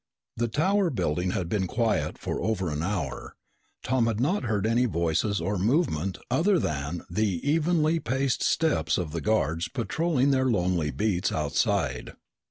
The Tower building had been quiet for over an hour. Tom had not heard any voices or movement other than the evenly paced steps of the guards patrolling their lonely beats outside.